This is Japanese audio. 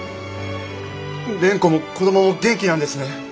蓮子も子どもも元気なんですね。